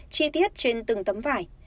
chi tiết trên từng tấm vải